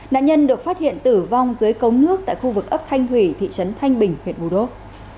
nạn nhân được phát hiện tử vong dưới cống nước tại khu vực ấp thanh thủy thị trấn thanh bình huyện bù đốp